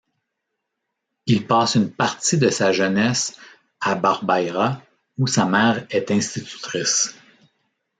Il passe une partie de sa jeunesse à Barbaira où sa mère est institutrice.